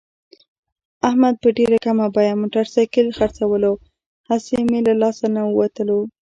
احمد په ډېره کمه بیه موټرسایکل خرڅولو، هسې مه له لاس نه ووتلو.